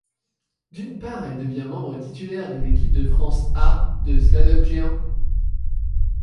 D'une part elle devient membre titulaire de l'équipe de France A de slalom géant.